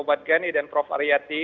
pak ghani dan prof aryati